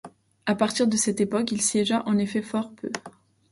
À partir de cette époque, il siégea en effet fort peu.